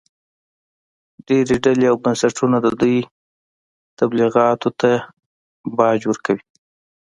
ډېرې ډلې او بنسټونه د دوی تبلیغاتو ته باج ورکوي